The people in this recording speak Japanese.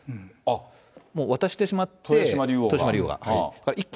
もう渡してしまって、豊島竜王が。